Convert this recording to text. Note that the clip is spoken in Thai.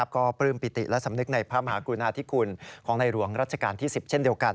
ก็ปลื้มปิติและสำนึกในพระมหากรุณาธิคุณของในหลวงรัชกาลที่๑๐เช่นเดียวกัน